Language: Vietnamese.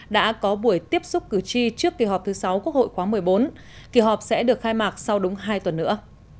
đã có buổi tiếp xúc cử tri trước kỳ họp thứ sáu quốc hội khóa một mươi bốn kỳ họp sẽ được khai mạc sau đúng hai tuần nữa